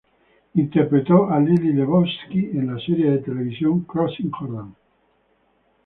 Interpretó a Lily Lebowski en la serie de televisión "Crossing Jordan".